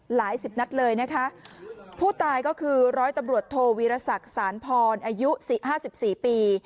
สิบนัดเลยนะคะผู้ตายก็คือร้อยตำรวจโทวีรศักดิ์สารพรอายุสี่ห้าสิบสี่ปี